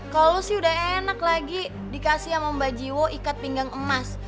kalau sih udah enak lagi dikasih sama mbak jiwo ikat pinggang emas